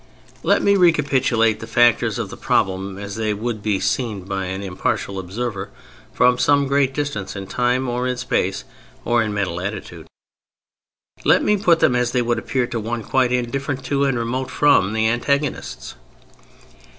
Let me recapitulate the factors of the problem as they would be seen by an impartial observer from some great distance in time, or in space, or in mental attitude. Let me put them as they would appear to one quite indifferent to, and remote from, the antagonists.